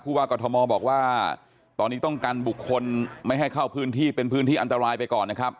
ว่ากรทมบอกว่าตอนนี้ต้องกันบุคคลไม่ให้เข้าพื้นที่เป็นพื้นที่อันตรายไปก่อนนะครับ